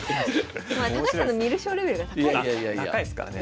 高橋さんの観る将レベルが高いですからね